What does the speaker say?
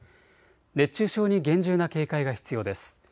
熱中症に厳重な警戒が必要です。